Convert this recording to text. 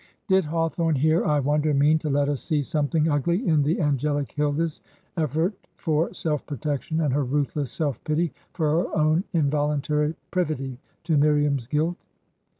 Did Haw thorne here, I wonder, mean to let us see something ugly in the angelic Hilda's efifort for self protection and her ruthless self pity for her own involuntary privity to Miriam's guilt?